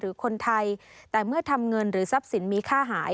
หรือคนไทยแต่เมื่อทำเงินหรือทรัพย์สินมีค่าหาย